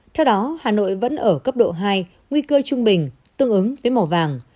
theo đó hà nội vẫn ở cấp độ hai nguy cơ trung bình tương ứng với màu vàng